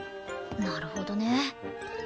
なるほどね。